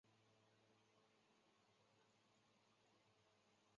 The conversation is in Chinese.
天主教拉努塞伊教区是天主教会在义大利的一个教区。